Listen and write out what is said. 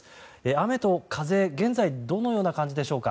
雨と風、現在はどのような感じでしょうか？